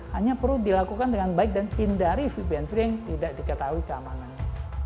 hanya perlu dilakukan dengan baik dan hindari vbn v yang tidak diketahui keamanannya